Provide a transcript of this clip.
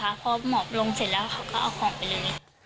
พอหมอบลงเสร็จแล้วเขาก็เอาของไปเลย